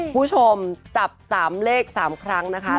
คุณผู้ชมจับ๓เลข๓ครั้งนะคะ